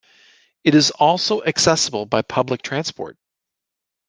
It is also accessible by Public Transport.